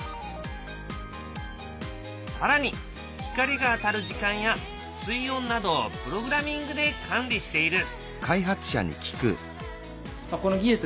更に光が当たる時間や水温などをプログラミングで管理している。